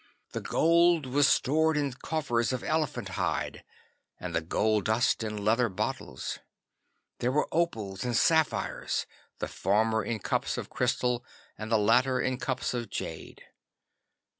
The gold was stored in coffers of elephant hide, and the gold dust in leather bottles. There were opals and sapphires, the former in cups of crystal, and the latter in cups of jade.